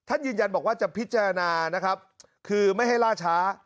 ยืนยันบอกว่าจะพิจารณานะครับคือไม่ให้ล่าช้า